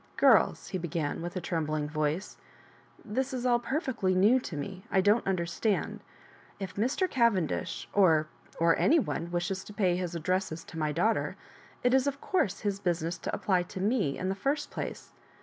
"Gu ls," he began, with a tremblmg voice, " this is all perfectly new to me. I don't under stand. If Mr. Cavendish, or— or any one, wishes to pay his addresses to my daughter, it is, of course, his business to apply to me in the first place.